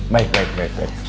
baik baik baik